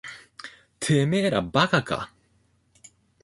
てめえら馬鹿か。